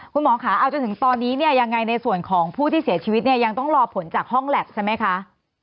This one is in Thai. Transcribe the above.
คุณหมอค่ะเอาจนถึงตอนนี้เนี่ยยังไงในส่วนของผู้ที่เสียชีวิตเนี่ยยังต้องรอผลจากห้องแล็บใช่ไหมคะ